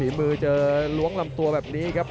มือเจอล้วงลำตัวแบบนี้ครับ